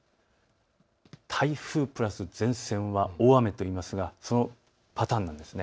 台風プラス前線は大雨といいますがそのパターンなんです。